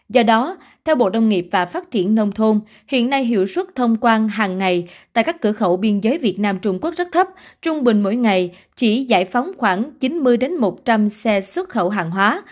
do đó theo bộ nông nghiệp và phát triển nông thôn hiện nay hiệu suất thông quan hàng ngày tại các cửa khẩu biên giới việt nam trung quốc rất thấp trung bình mỗi ngày chỉ giải phóng khoảng chín mươi một trăm linh xe xuất khẩu hàng hóa